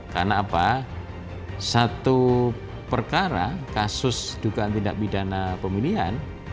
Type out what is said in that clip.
karena apa satu perkara kasus dugaan tindak pidana pemilihan